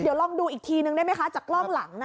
เดี๋ยวลองดูอีกทีนึงได้ไหมคะจากกล้องหลัง